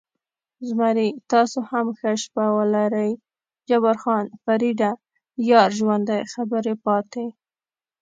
زمري: تاسې هم ښه شپه ولرئ، جبار خان: فرېډه، یار ژوندی، خبرې پاتې.